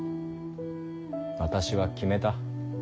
私は決めた。